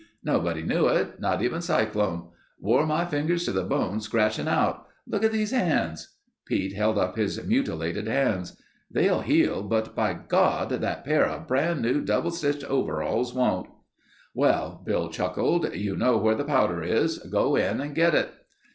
Nobody knew it—not even Cyclone. Wore my fingers to the bone scratching out. Look at these hands...." Pete held up his mutilated hands. "They'll heal but bigod—that pair of brand new double stitched overalls won't." "Well," Bill chuckled, "you know where the powder is. Go in and get it."